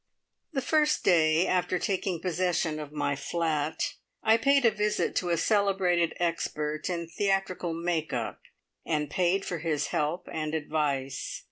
The first day after taking possession of my flat, I paid a visit to a celebrated expert in theatrical "make up," and paid for his help and advice.